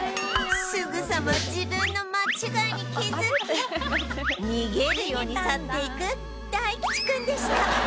すぐさま自分の間違いに気づき逃げるように去っていく大吉君でした